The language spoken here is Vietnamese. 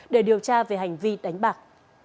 để điều tra về hành vi đánh bạc